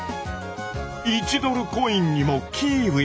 １ドルコインにもキーウィ！